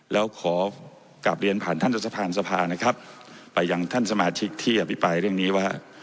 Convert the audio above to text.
แล้วขอกลับเรียนผ่านท่านรัฐสภานสภานะครับไปยังท่านสมาชิกที่อภิปรายเรื่องนี้ว่า